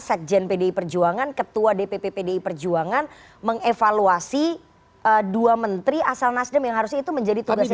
sekjen pdi perjuangan ketua dpp pdi perjuangan mengevaluasi dua menteri asal nasdem yang harusnya itu menjadi tugas kita